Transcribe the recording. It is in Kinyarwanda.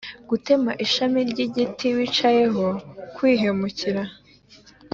gutema ishami ry’igiti wicayeho: kwihemukira